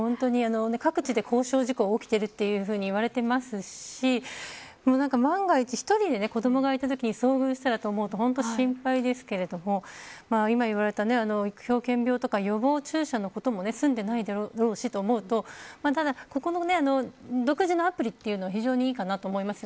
各地で事故が起きていると言われていますし万が一、１人で子どもがいたときに遭遇したらと思うと本当に心配ですが今言われた狂犬病とか予防注射のことも済んでいないだろうしそう思うとただ、ここの独自のアプリというのは非常にいいかなと思います。